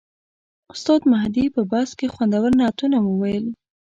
استاد مهدي په بس کې خوندور نعتونه وویل.